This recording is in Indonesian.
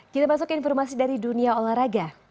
kita masuk ke informasi dari dunia olahraga